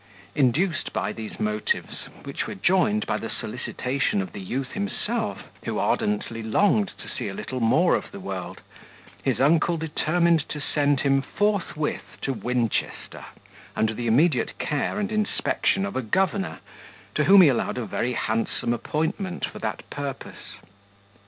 Induced by these motives, which were joined by the solicitation of the youth himself, who ardently longed to see a little more of the world, his uncle determined to send him forthwith to Winchester, under the immediate care and inspection of a governor, to whom he allowed a very handsome appointment for that purpose.